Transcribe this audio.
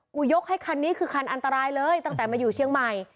ยกให้คันนี้คือคันอันตรายเลยตั้งแต่มาอยู่เชียงใหม่